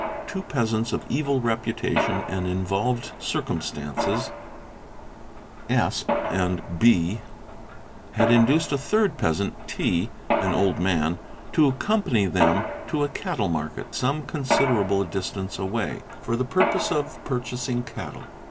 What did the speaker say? Two peasants of evil reputation and involved circumstances, Sp. and B., had induced a third peasant T., an old man, to accompany them to a cattle market, some considerable distance away, for the purpose of purchasing cattle.